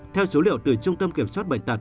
theo số liệu từ trung tâm kiểm soát bệnh tật